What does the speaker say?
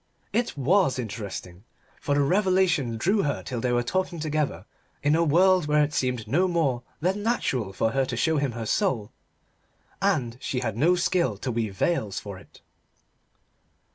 It was interesting, for the revelation drew her till they were talking together in a world where it seemed no more than natural for her to show him her soul: and she had no skill to weave veils for it.